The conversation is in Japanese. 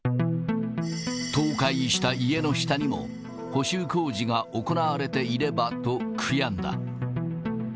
倒壊した家の下にも、補修工事が行われていればと、悔やんだ。